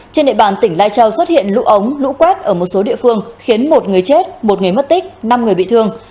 trên địa bàn tỉnh lai châu xuất hiện lũ ống lũ quét ở một số địa phương khiến một người chết một người mất tích năm người bị thương